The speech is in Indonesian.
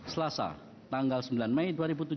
selasa tanggal sembilan mei dua ribu tujuh belas